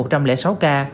tập trung mơ bốn ca